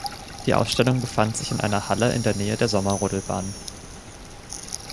Die Ausstellung befand sich in einer Halle in der Nähe der Sommerrodelbahn.